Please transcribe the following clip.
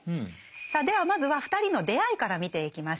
さあではまずは２人の出会いから見ていきましょう。